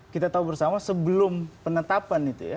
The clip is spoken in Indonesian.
kita tahu bersama sebelum penetapan itu ya